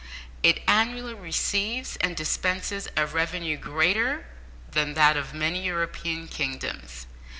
It annually receives and dispenses a revenue greater than that of many European kingdoms.